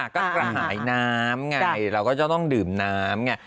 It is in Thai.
ก็กระหายน้ำไงเราก็จะต้องดื่มน้ำไง